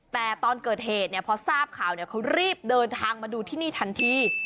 แต่ตอนเกิดเหตุเนี่ยพอทราบข่าวเขารีบเดินทางมาดูที่นี่ทันที